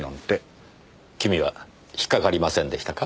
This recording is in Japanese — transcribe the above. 君は引っかかりませんでしたか？